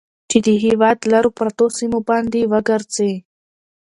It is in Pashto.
چې د هېواد لرو پرتو سيمو باندې وګرځي.